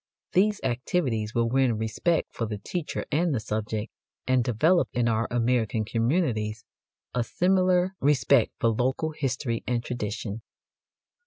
These activities will win respect for the teacher and the subject, and develop in our American communities a similar respect for local history and tradition.